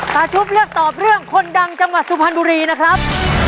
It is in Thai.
ชุบเลือกตอบเรื่องคนดังจังหวัดสุพรรณบุรีนะครับ